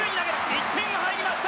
１点が入りました。